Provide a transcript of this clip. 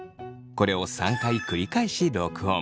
これを３回繰り返し録音。